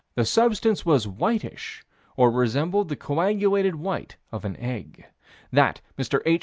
The substance was whitish, or resembled the coagulated white of an egg: That Mr. H.